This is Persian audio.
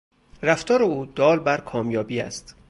رفتار او دال بر کامیابی است.